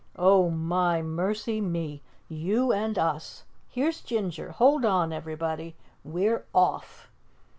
Oh, my, mercy me! You and us! Here's Ginger! Hold on, everybody! We're OFF!"